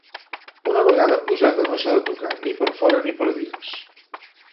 Una vegada posada, no s’ha de tocar, ni per fora ni per dins.